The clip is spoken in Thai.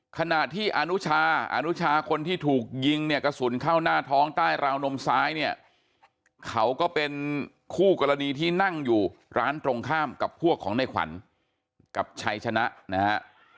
ขณะที่อนุชาอนุชาคนที่ถูกยิงเนี่ยกระสุนเข้าหน้าท้องใต้ราวนมซ้ายเนี่ยเขาก็เป็นคู่กรณีที่นั่งอยู่ร้านตรงข้ามกับพวกของในขวัญกับชัยชนะนะฮะ